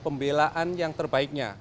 pembelaan yang terbaiknya